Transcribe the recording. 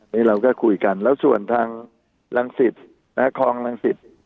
นี่เราก็คุยกันแล้วส่วนทางลังศิษฐ์นะครองลังศิษฐ์